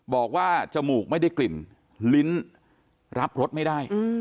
จมูกไม่ได้กลิ่นลิ้นรับรสไม่ได้